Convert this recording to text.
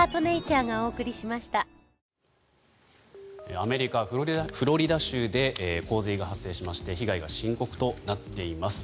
アメリカ・フロリダ州で洪水が発生しまして被害が深刻となっています。